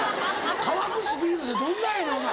乾くスピードってどんなやねんお前。